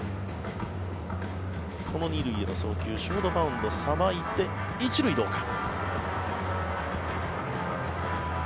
この２塁への送球ショートバウンド、さばいて１塁、どうか。